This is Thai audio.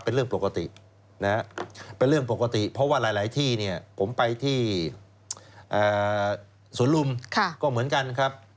เป็นเรื่องปกติเพราะว่าหลายที่ผมไปที่สวนลุมก็เหมือนกันครับ